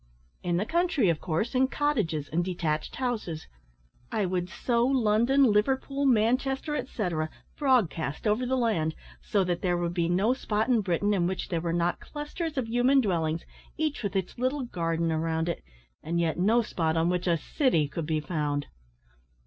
"In the country, of course, in cottages and detached houses. I would sow London, Liverpool, Manchester, etcetera, broadcast over the land, so that there would be no spot in Britain in which there were not clusters of human dwellings, each with its little garden around it, and yet no spot on which a city could be found."